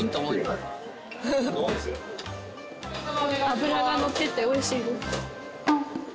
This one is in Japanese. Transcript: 脂がのってておいしいです。